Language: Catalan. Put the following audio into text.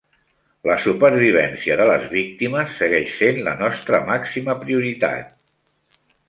La supervivència de les víctimes segueix sent la nostra màxima prioritat!